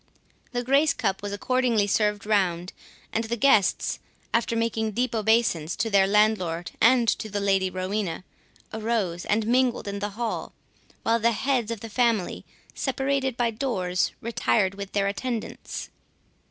The grace cup was accordingly served round, and the guests, after making deep obeisance to their landlord and to the Lady Rowena, arose and mingled in the hall, while the heads of the family, by separate doors, retired with their attendants.